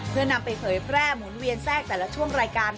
เพื่อนำไปเผยแพร่หมุนเวียนแทรกแต่ละช่วงรายการ